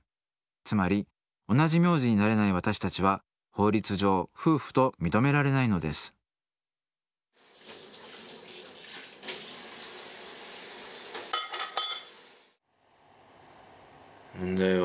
つまり同じ名字になれない私たちは法律上夫婦と認められないのです問題は。